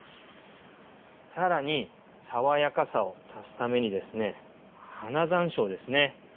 更に爽やかさを足すためにですね花山椒ですね。